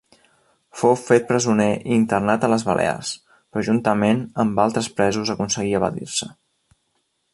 Fou fet presoner i internat a les Balears, però juntament amb altres presos aconseguí evadir-se.